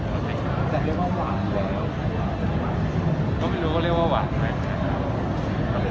ก็ไม่รู้ว่าเรียกว่าหวานไหมนะครับ